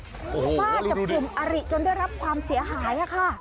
ฝ้าจับศึมอริจนได้รับความเสียหายค่ะ